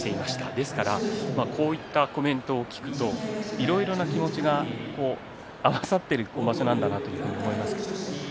ですからこういったコメントを聞くといろいろな気持ちが合わさっている場所なんだなというふうに思います。